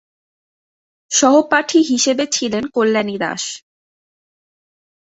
সহপাঠী হিসাবে ছিল কল্যাণী দাস।